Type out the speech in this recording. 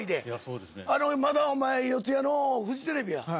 まだお前四谷のフジテレビや。